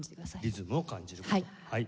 リズムを感じる事はい。